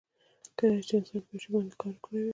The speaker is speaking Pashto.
کیدای شي چې انسان په یو شي باندې کار کړی وي.